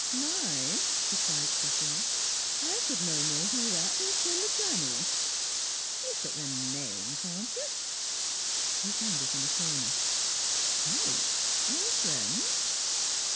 "Mine?" she cried scoffingly. "I could no more do that than swim the channel. Look at the name, can't you?" He found it in a corner. "Kite? Our friend?"